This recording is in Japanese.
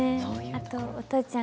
あとお父ちゃん